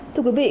thưa quý vị